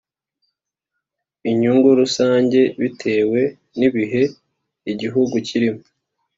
inyungu rusange bitewe n ibihe igihugu kirimo